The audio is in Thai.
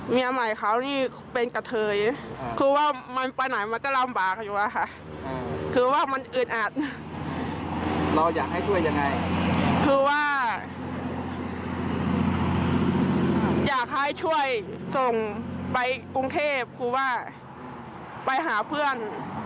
ไปกรุงเทพฯคิดว่าไปหาเพื่อนไปอยู่กับเพื่อน